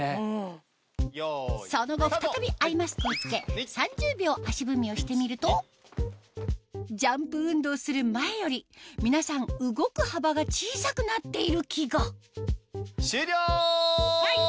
その後再びアイマスクを着け３０秒足踏みをしてみるとジャンプ運動する前より皆さん動く幅が小さくなっている気が終了！